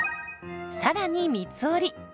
さらに三つ折り。